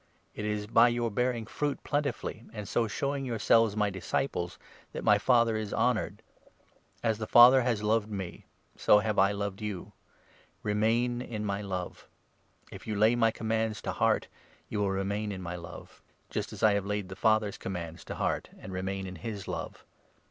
It is by your bearing fruit plentifully, and so showing your 8 selves my disciples, that my Father is honoured. As the 9 Father has loved me, so have I loved you ; remain in my love. If you lay my commands to heart, you will remain in my love ; 10 just as I have laid the Father's commands to heart and remain in his love.